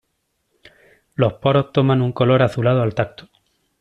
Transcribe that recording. Los poros toman un color azulado al tacto.